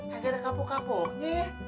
kagak ada kapok kapoknya